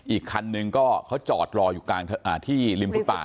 อีกคันนึงก็เขาจอดรออยู่กลางที่ริมฟุตป่า